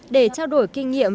để trao đổi kinh nghiệm